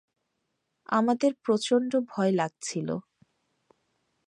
আমাদের প্রচন্ড ভয় লাগছিল।